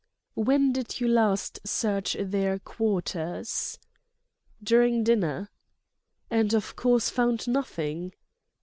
"When did you last search their quarters?" "During dinner." "And of course found nothing?"